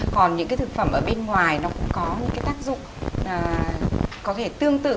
còn những cái thực phẩm ở bên ngoài nó cũng có những cái tác dụng có thể tương tự